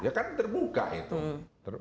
ya kan terbuka itu